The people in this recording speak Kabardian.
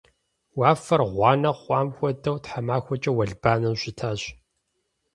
Уафэр гъуанэ хъуам хуэдэу тхьэмахуэкӏэ уэлбанэу щытащ.